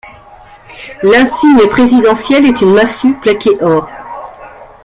L'insigne présidentiel est une massue plaquée or.